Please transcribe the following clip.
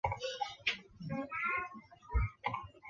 然而德莱尼平静的生活并没有持续很久。